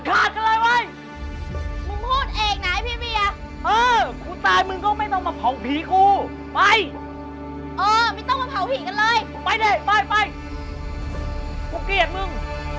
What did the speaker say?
กูกลับหวุ่ง